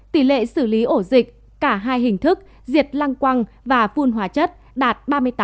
tỷ lệ xử lý ổ dịch cả hai hình thức diệt lăng quăng và phun hóa chất đạt ba mươi tám